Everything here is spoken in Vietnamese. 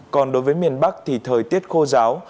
còn đối với miền bắc thì thời tiết khô giáo